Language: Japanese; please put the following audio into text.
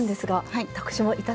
はい。